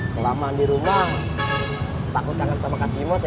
selama di rumah takut kangen sama kak cimot ya